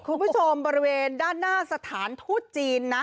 คุณผู้ชมบริเวณด้านหน้าสถานทูตจีนนะ